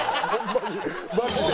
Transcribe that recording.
マジで。